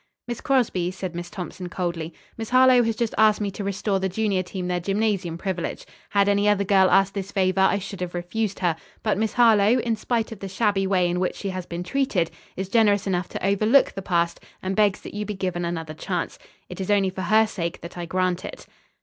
"Miss Crosby," said Miss Thompson coldly, "Miss Harlowe has just asked me to restore the junior team their gymnasium privilege. Had any other girl asked this favor I should have refused her. But Miss Harlowe, in spite of the shabby way in which she has been treated, is generous enough to overlook the past, and begs that you be given another chance. It is only for her sake that I grant it.